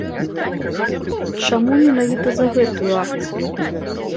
Чаму менавіта за гэтую акцыю?